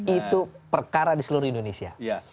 itu perkara di seluruh indonesia